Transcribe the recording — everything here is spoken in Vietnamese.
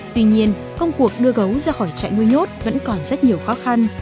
tuy nhiên công cuộc đưa gấu ra khỏi trại nuôi nhốt vẫn còn rất nhiều khó khăn